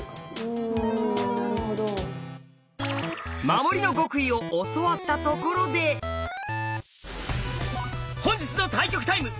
守りの極意を教わったところで本日の対局タイム！